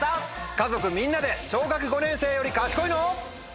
家族みんなで小学５年生より賢いの？